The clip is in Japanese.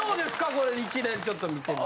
これ一連ちょっと見てみて。